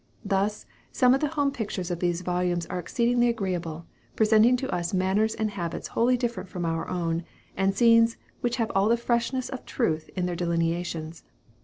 Thus, some of the home pictures of these volumes are exceedingly agreeable, presenting to us manners and habits wholly different from our own, and scenes which have all the freshness of truth in their delineations.